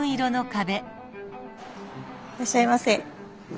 いらっしゃいませ。